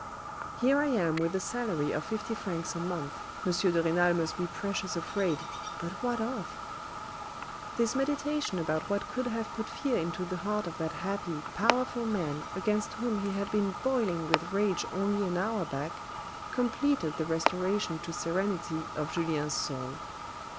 " Here I am with a salary of fifty francs a month, M. de Renal must be precious afraid, but what of ?" This meditation about what could have put fear into the heart of that happy, powerful man against whom he had been boiling with rage only an hour back, completed the restoration to serenity of Julien's soul.